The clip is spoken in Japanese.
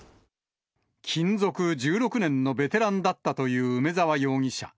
勤続１６年のベテランだったという梅沢容疑者。